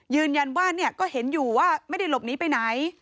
ยืนยันว่าก็เห็นอยู่ว่าไม่ได้หลบหนีไปไหน